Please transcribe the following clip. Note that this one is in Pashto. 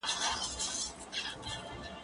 زه پاکوالي ساتلي دي!؟